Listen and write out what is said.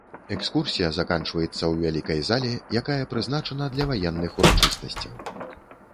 Экскурсія заканчваецца ў вялікай зале, якая прызначана для ваенных урачыстасцяў.